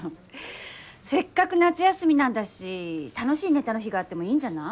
せっかく夏休みなんだし楽しいネタの日があってもいいんじゃない？